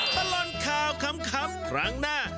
ตลอดข่าวขำครั้งหน้า